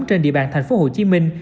trên địa bàn thành phố hồ chí minh